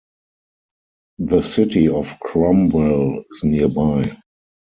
The city of Cromwell is nearby.